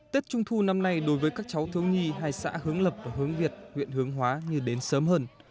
tết trung thu năm nay đối với các cháu thiếu nhi hai xã hướng lập và hướng việt huyện hướng hóa như đến sớm hơn